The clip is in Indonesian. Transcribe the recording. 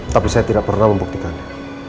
tapi saya tidak pernah membuktikannya